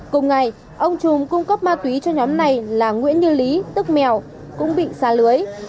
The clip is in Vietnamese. cùng ngày ông trùm cung cấp ma túy cho nhóm này là nguyễn như lý tức mèo cũng bị xa lưới